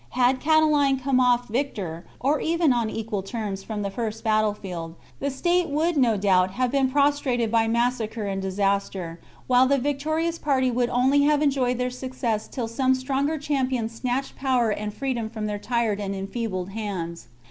Had Catiline come off victor, or even on equal terms, from the first battle field, the state would, no doubt, have been prostrated by massacre and disaster, while the victorious party would only have enjoyed their success till some stronger champion snatched power and freedom from their tired and enfeebled hands.